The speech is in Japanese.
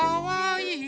はい！